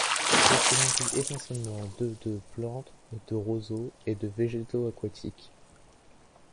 Elle se nourrit essentiellement de de plantes, de roseaux et de végétaux aquatiques.